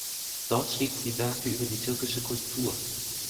Dort schrieb sie Werke über die türkische Kultur.